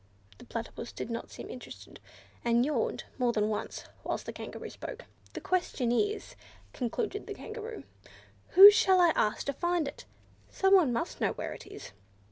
The Platypus did not seem interested, and yawned more than once whilst the Kangaroo spoke. "The question is," concluded the Kangaroo, "whom shall I ask to find it? Someone must know where it is."